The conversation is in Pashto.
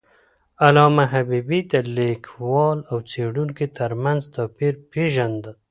علامه حبيبي د لیکوال او څیړونکي تر منځ توپیر پېژنده.